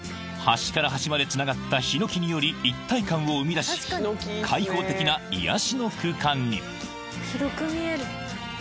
端から端までつながったヒノキにより一体感を生み出し開放的な癒やしの空間に広く見える。